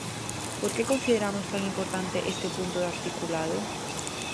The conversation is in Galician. ¿Por que consideramos tan importante este punto do articulado?